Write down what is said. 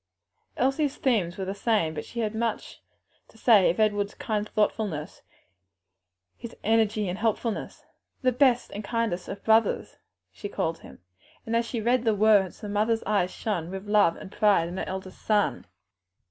Elsie's themes were the same, but she had much to say of Edward's kind thoughtfulness, his energy and helpfulness; "the best and kindest of brothers," she called him, and as she read the words the mother's eyes shone with love and pride in her eldest son.